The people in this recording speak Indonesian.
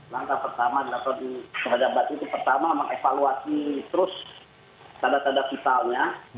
langkah pertama terhadap mbak titi pertama mengevaluasi terus tanda tanda kitalnya